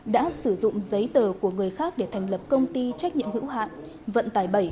đã sử dụng giấy tờ của người khác để thành lập công ty trách nhiệm hữu hạn vận tải bảy